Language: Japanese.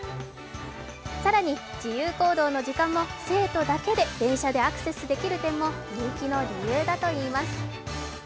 更に、自由行動の時間も生徒だけで電車でアクセスできる点も人気の理由だといいます。